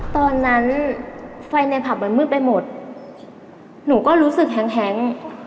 ตอนนั้นไฟในผับมันมืดไปหมดหนูก็รู้สึกแห้ง